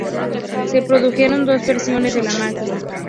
Se produjeron dos versiones de la máquina.